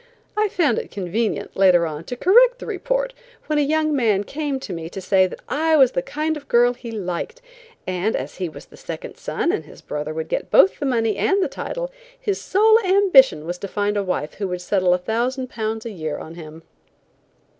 I found it convenient, later on, to correct the report when a young man came to me to say that I was the kind of a girl he liked, and as he was the second son and his brother would get both the money and the title, his sole ambition was to find a wife who would settle £1,000 a year on him.